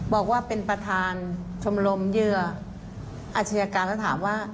บอกว่าเป็นประธานชมรมเหยื่ออาชญาการแล้วถามว่า